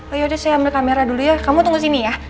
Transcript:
oh yaudah saya ambil kamera dulu ya kamu tunggu sini ya